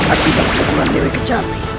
akibat keguguran dewi kecapi